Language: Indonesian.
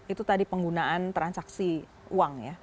itu tadi penggunaan transaksi uang ya